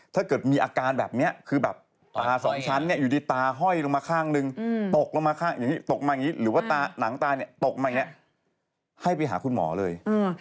ถ้าเกิดมีอาการแบบเนี่ยคือแบบตาสองชั้นเนี่ยอยู่ดีตาห้อยลงมาข้างนึงตกลงมาข้างนึงหรือว่าหนังตาเนี่ยตกมาอย่างเนี่ยให้ไปหาคุณหมอเลย